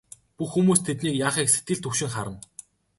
Бүх хүмүүс тэдний яахыг сэтгэл түгшин харна.